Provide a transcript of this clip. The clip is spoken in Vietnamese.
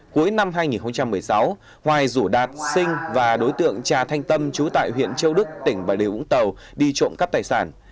cuối năm hai nghìn một mươi sáu hoài rủ đạt sinh và đối tượng trà thanh tâm trú tại huyện châu đức tỉnh bà điều vũng tàu đi trộm cắp tài sản